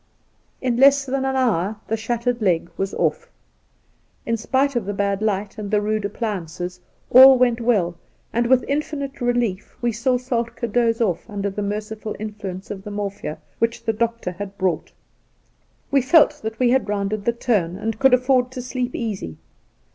In less than an hour the shattered leg was off. In spite of the bad light and the rude appliances all went well, and with infinite relief we saw Soltk^ doze off under the merciful influence of the morphia which the doctor had brought. We felt that we had rounded the turn, and could afford to sleep easy.